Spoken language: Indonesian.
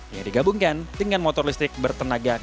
yang digabungkan dengan motor listrik bertenaga dua ribu w